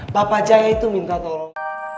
bapak jaya itu minta tolong